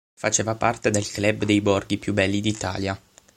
Faceva parte del club dei borghi più belli d'Italia.